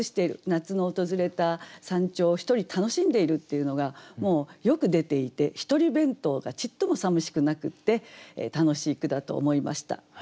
夏の訪れた山頂を独り楽しんでいるっていうのがよく出ていて独り弁当がちっともさみしくなくって楽しい句だと思いました。